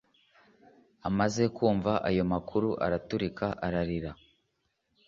Amaze kumva ayo makuru araturika ararira